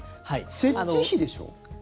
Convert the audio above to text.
設置費でしょ？